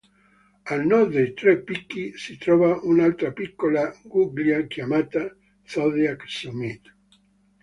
A nord dei tre picchi si trova un'altra piccola guglia chiamata "Zodiac Summit".